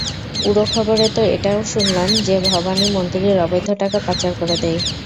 উড়োখবরে তো এটাও শুনলাম যে ভবানী মন্ত্রীর অবৈধ টাকা পাচার করে দেয়।